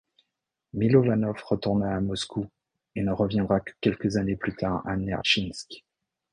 Milovanov retourne à Moscou et ne reviendra que quelques années plus tard à Nertchinsk.